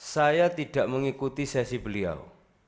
saya tidak mengikuti sesi beliau